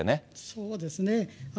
そうですね。